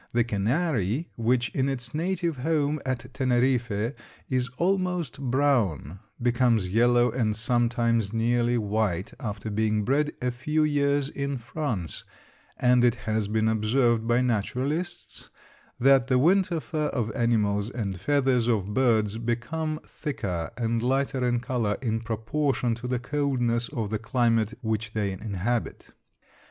The canary, which in its native home at Teneriffe is almost brown, becomes yellow and sometimes nearly white after being bred a few years in France, and it has been observed by naturalists that the winter fur of animals and feathers of birds become thicker and lighter in color in proportion to the coldness of the climate which they inhabit.